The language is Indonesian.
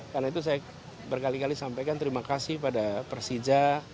karena itu saya berkali kali sampaikan terima kasih pada persija